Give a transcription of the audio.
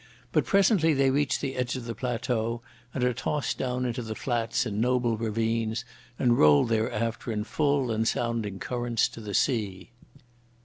But presently they reach the edge of the plateau and are tossed down into the flats in noble ravines, and roll thereafter in full and sounding currents to the sea.